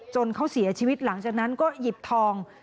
เขาเสียชีวิตหลังจากนั้นก็หยิบทอง